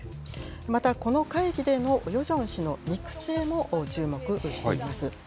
またこの会議でのヨジョン氏の肉声にも注目しています。